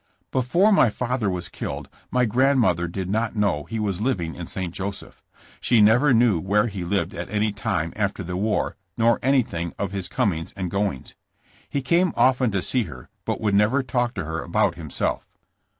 Before my father was killed, my grandmother did not know he was living in St. Joseph. She never knew where he lived at any time after the war, nor anything of his comings and goings. He came often to see her, but would never talk to her about himself.